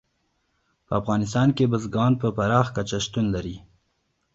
په افغانستان کې بزګان په پراخه کچه شتون لري.